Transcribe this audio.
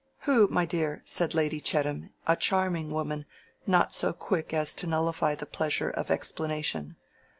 "Who, my dear?" said Lady Chettam, a charming woman, not so quick as to nullify the pleasure of explanation.